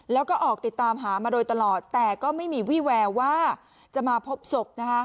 แล้วก็ออกติดตามหามาโดยตลอดแต่ก็ไม่มีวี่แววว่าจะมาพบศพ